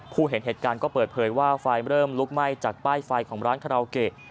เห็นเหตุการณ์ก็เปิดเผยว่าไฟเริ่มลุกไหม้จากป้ายไฟของร้านคาราโอเกะ